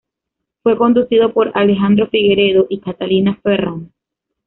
Fue conducido por Alejandro Figueredo y Catalina Ferrand.